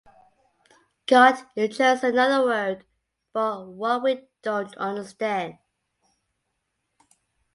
God is just another word for what we don't understand